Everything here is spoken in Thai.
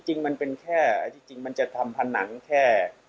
จริงมันเป็นแค่คือมันจะทำผนังแค่